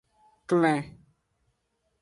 Klen.